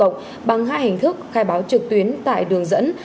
công cộng bằng hai hình thức khai báo trực tuyến tại đường dẫn